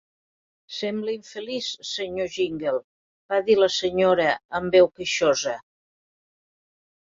"Sembla infeliç, Sr. Jingle", va dir la senyora, amb veu queixosa.